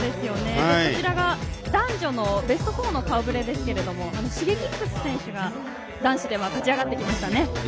こちらが、男女のベスト４の顔ぶれですけれどもＳｈｉｇｅｋｉｘ選手が男子では勝ち上がってきましたね。